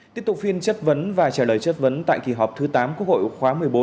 tiếp tục phiên chất vấn và trả lời chất vấn tại kỳ họp thứ tám quốc hội khóa một mươi bốn